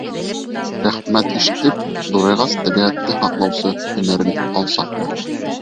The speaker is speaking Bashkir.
Рәхмәт ишетеп, Ҙурайғас, тәбиғәтте һаҡлаусы һөнәрен аласаҡмын.